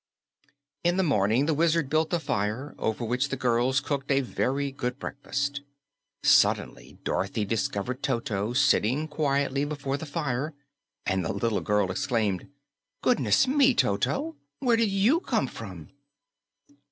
In the morning the Wizard built a fire, over which the girls cooked a very good breakfast. Suddenly Dorothy discovered Toto sitting quietly before the fire, and the little girl exclaimed, "Goodness me, Toto! Where did YOU come from?"